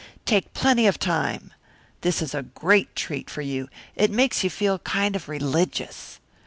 Take plenty of time. This is a great treat for you. It makes you feel kind of religious.